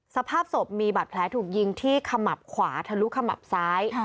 สภาพศพมีบาดแผลถูกยิงที่ขมับขวาทะลุขมับซ้าย